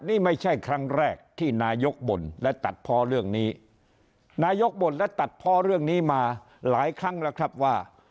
นี่ไม่ใช่ครั้งแรกที่นายกบ่นและตัดพอเรื่องนี้นายกบ่นและตัดพอเรื่องนี้มาหลายครั้งแล้วครับว่า